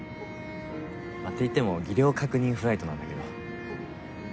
っていっても技量確認フライトなんだけど。